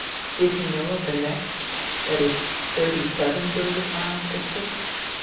Did he know of the next, that is thirty seven billion miles distant?